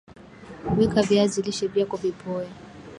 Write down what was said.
weka viazi lishe vyako vipoe